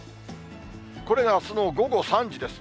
これがあすの午後３時です。